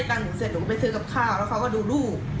หนูก็ไปเชิญกับข้าวแล้วเขาก็ดูลูก